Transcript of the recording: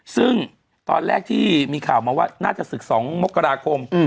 ซึ่งตอนแรกที่มีข่าวมาว่าน่าจะศึก๒มกราคม